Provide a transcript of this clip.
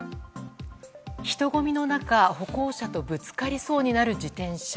人ごみの中、歩行者とぶつかりそうになる自転車。